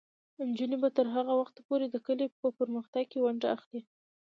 نجونې به تر هغه وخته پورې د کلي په پرمختګ کې ونډه اخلي.